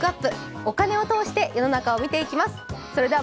お金を通して世の中を見ていきます。